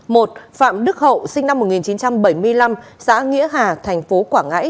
đinh văn hai sinh năm một nghìn chín trăm sáu mươi chín xã nghĩa phú tp quảng ngãi